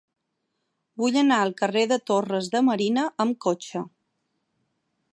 Vull anar al carrer de Torres de Marina amb cotxe.